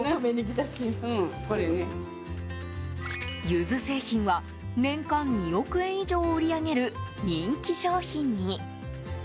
ユズ製品は、年間２億円以上を売り上げる人気商品に。